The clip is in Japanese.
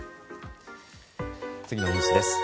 次のニュースです。